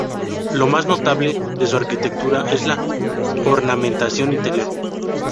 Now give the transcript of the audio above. Lo más notable de su arquitectura es la ornamentación interior.